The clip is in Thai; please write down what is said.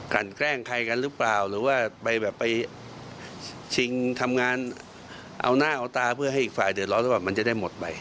แกล้งใครกันหรือเปล่าหรือว่าไปแบบไปชิงทำงานเอาหน้าเอาตาเพื่อให้อีกฝ่ายเดือดร้อนหรือเปล่ามันจะได้หมดไป